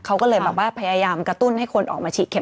เขาก็เลยแบบว่าพยายามกระตุ้นให้คนออกมาฉีดเม็